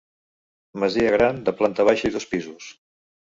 Masia gran de planta baixa i dos pisos.